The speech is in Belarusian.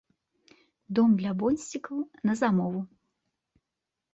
Дом для бонсцікаў на замову.